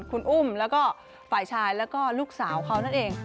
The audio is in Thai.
คุณอุ้มแล้วก็ฝ่ายชายแล้วก็ลูกสาวเขานั่นเอง